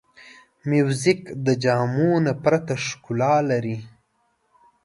موزیک د جامو نه پرته ښکلا لري.